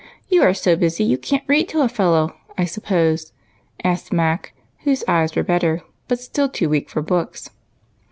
You are so busy you ctm't read to a fellow, I suppose ?" asked Mac, whose eyes were better, but still too weak for books.